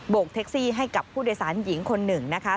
กเท็กซี่ให้กับผู้โดยสารหญิงคนหนึ่งนะคะ